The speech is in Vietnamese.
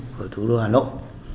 của thủ đô hà nội